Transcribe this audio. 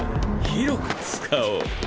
広く使おう。